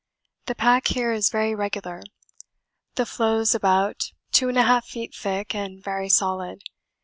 The pack here is very regular; the floes about 2 1/2 feet thick and very solid.